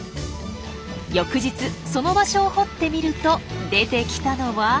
翌日その場所を掘ってみると出てきたのは。